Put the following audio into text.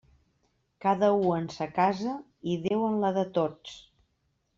Cada u en sa casa, i Déu en la de tots.